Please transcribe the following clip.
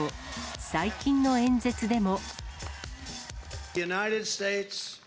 最近の演説でも。